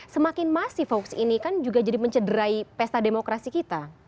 semakin masih hoax ini kan juga jadi mencederai pesta demokrasi kita